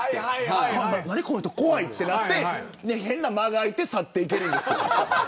何、この人怖いってなって変な間が空いて去っていける。